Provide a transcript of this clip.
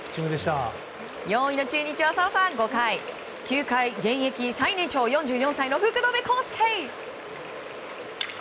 ４位の中日は５回９回、現役最年長４４歳の福留孝介！